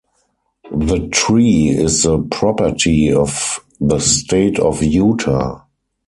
The tree is the property of the State of Utah.